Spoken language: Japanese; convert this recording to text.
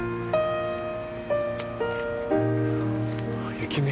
雪美。